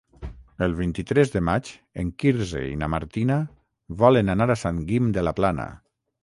El vint-i-tres de maig en Quirze i na Martina volen anar a Sant Guim de la Plana.